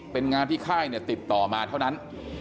เป็นงานที่ค่ายติดต่อมาเท่านั้น